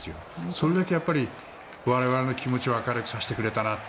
それだけ我々の気持ちを明るくさせてくれたなと。